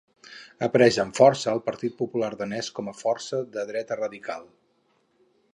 Apareix amb força el Partit Popular Danès com a força de dreta radical.